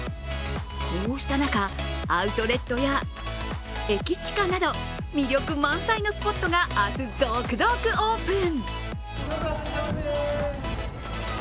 こうした中、アウトレットや駅チカなど魅力満載のスポットが明日、続々オープン。